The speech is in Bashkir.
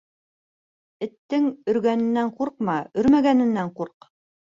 Эттең өргәненән ҡурҡма, өрмәгәненән ҡурҡ.